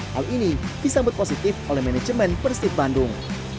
hal ini disambut positif oleh manajemen persib bandung